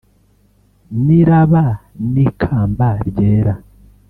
n' iraba n' ikamba ryera